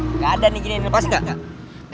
nggak ada nih gini dilepas nggak